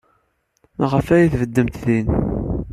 Maɣef ay tbeddemt din?